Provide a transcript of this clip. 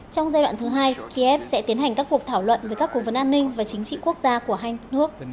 trong giai đoạn thứ hai kiev sẽ tiến hành các cuộc thảo luận về các cố vấn an ninh và chính trị quốc gia của hai nước